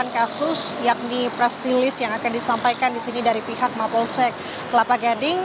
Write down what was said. sembilan kasus yakni press release yang akan disampaikan di sini dari pihak mapolsek kelapa gading